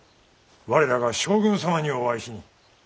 我らが将軍様にお会いしに。